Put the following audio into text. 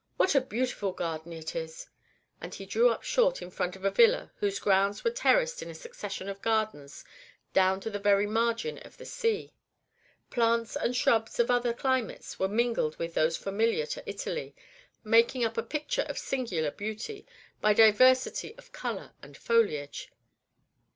What a beautiful garden it is!" And he drew up short in front of a villa whose grounds were terraced in a succession of gardens down to the very margin of the sea. Plants and shrubs of other climates were mingled with those familiar to Italy, making up a picture of singular beauty, by diversity of color and foliage.